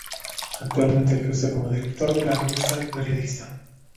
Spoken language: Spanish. Actualmente ejerce como director de la revista "El Periodista".